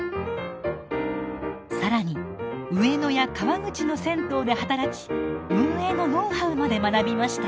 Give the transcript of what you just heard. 更に上野や川口の銭湯で働き運営のノウハウまで学びました。